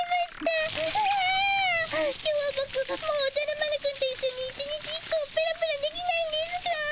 今日はボクもうおじゃる丸くんといっしょに１日１個をペロペロできないんですかぁ？